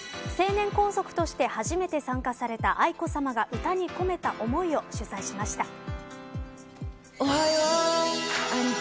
成年皇族として初めて参加された愛子さまが歌に込めた思いを取材しました。